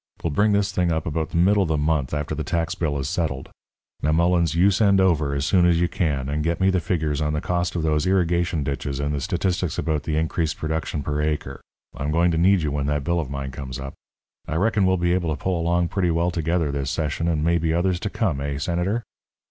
We'll bring this thing up about the middle of the month, after the tax bill is settled. Now, Mullens, you send over, as soon as you can, and get me the figures on the cost of those irrigation ditches and the statistics about the increased production per acre. I'm going to need you when that bill of mine comes up. I reckon we'll be able to pull along pretty well together this session and maybe others to come, eh, Senator?"